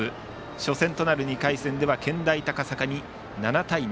初戦となる２回戦では健大高崎に、７対２。